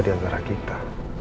di antara kita